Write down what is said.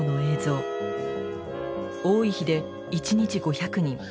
多い日で１日５００人。